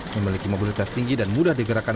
memiliki mobilitas tinggi dan mudah digerakkan